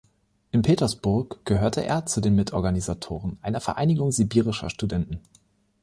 In Petersburg gehörte er zu den Mitorganisatoren einer Vereinigung sibirischer Studenten.